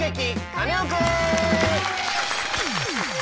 カネオくん」！